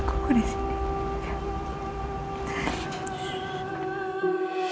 kamu harus kembali